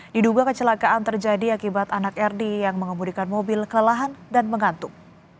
diduga kecelakaan terjadi akibat anak erdi yang mengemudikan mobil kelelahan dan mengantuk